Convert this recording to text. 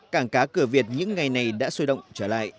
cảng cá cửa việt những ngày này đã sôi động trở lại